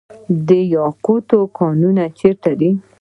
د یاقوتو کانونه چیرته دي؟